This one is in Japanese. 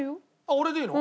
俺でいいの？